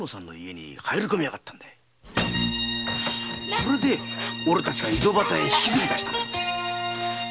それでオレたちが井戸端に引きずり出したのよ。